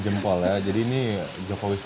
kemudian juga tps lima puluh satu